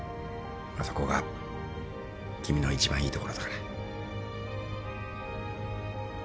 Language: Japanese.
そこが君の一番いいところだから。